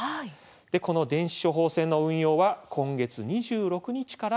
この電子処方箋の運用は今月２６日から始まります。